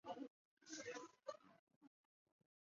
闻声赶来的几千教师的当地群众在面面声援。